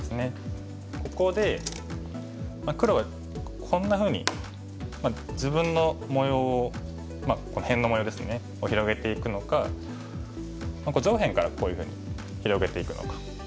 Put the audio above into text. ここで黒はこんなふうに自分の模様をまあ辺の模様ですねを広げていくのか上辺からこういうふうに広げていくのか。